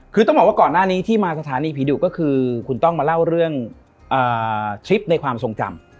คือต้องบอกว่าก่อนหน้านี้ที่มาสถานีผีดุก็คือคุณต้องมาเล่าเรื่องทริปในความทรงจำ